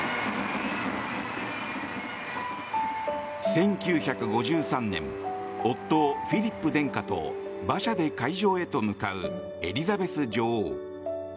１９５３年、夫フィリップ殿下と馬車で会場へと向かうエリザベス女王。